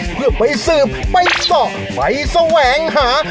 เพื่อไปสืบไปสอบไปแสวงหา